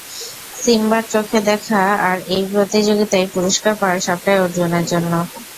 সিম্বার চোখে দেখা আর এই প্রতিযোগিতায় পুরুষ্কার পাওয়া, সবটাই অর্জুনের জন্য।